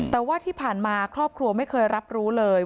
แต่ว่าที่ผ่านมาครอบครัวไม่เคยรับรู้เลย